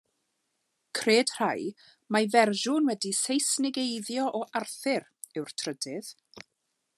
Cred rhai mai fersiwn wedi'i Seisnigeiddio o Arthur yw'r trydydd.